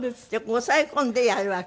押さえ込んでやるわけ？